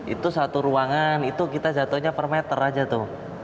itu satu ruangan itu kita jatuhnya per meter aja tuh